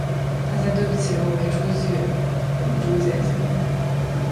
大家对不起，我没出息，忍不住结晶了